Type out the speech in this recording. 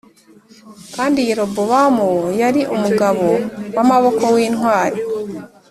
Kandi Yerobowamu uwo yari umugabo w’amaboko w’intwari